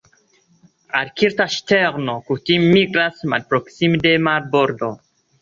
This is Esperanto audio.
Arkta ŝterno kutime migras malproksime de marbordo.